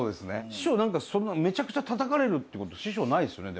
師匠そんなめちゃくちゃたたかれるって事師匠ないですよね？